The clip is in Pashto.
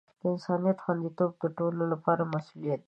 د انسانیت خوندیتوب د ټولو لپاره مسؤولیت دی.